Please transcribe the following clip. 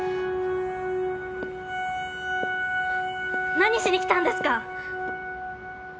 何しに来たんですか！